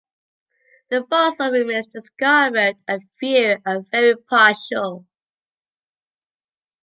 The fossil remains discovered are few and very partial.